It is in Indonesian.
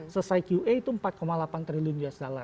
selesai qa itu empat delapan triliun usd